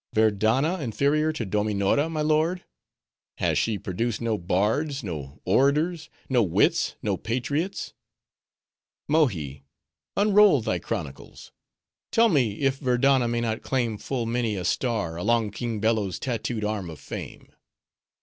"Verdanna inferior to Dominora, my lord!—Has she produced no bards, no orators, no wits, no patriots? Mohi, unroll thy chronicles! Tell me, if Verdanna may not claim full many a star along King Bello's tattooed arm of Fame?